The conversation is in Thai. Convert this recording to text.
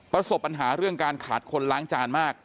ประสบปัญหาเรื่องการขาดคนล้างจานมาก